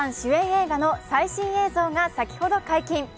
映画の最新映像が先ほど解禁。